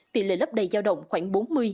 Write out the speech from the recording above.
tỷ lệ lấp đầy giao động khoảng bốn mươi bảy mươi